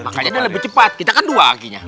makanya dia lebih cepat kita kan dua kakinya